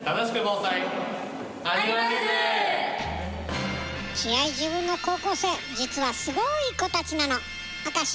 気合い十分の高校生実はすごい子たちなの。